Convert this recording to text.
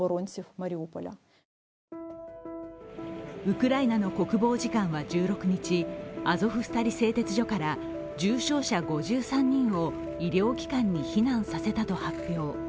ウクライナの国防次官は１６日アゾフスタリ製鉄所から重傷者５３人を医療機関に避難させたと発表。